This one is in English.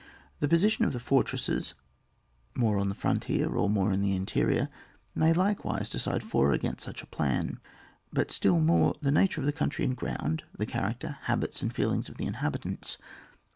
The position of the fortresses more on the frontier or more in the interior may like wise decide for or against such a plan ; but still more the nature of the country and ground, the character, habits, and feeli^s of the inhabitants.